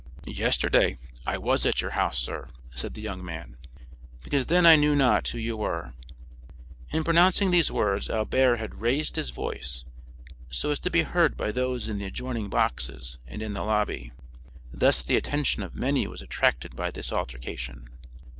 "Yesterday I was at your house, sir," said the young man; "because then I knew not who you were." In pronouncing these words Albert had raised his voice so as to be heard by those in the adjoining boxes and in the lobby. Thus the attention of many was attracted by this altercation.